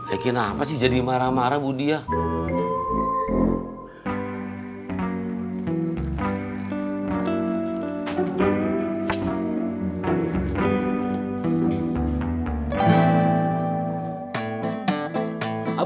eh kenapa sih jadi marah marah bu diamo